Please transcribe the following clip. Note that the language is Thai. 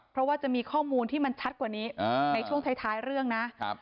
เพราะว่าจะมีข้อมูลที่มันชัดกว่านี้ในช่วงท้ายเรื่องนะครับ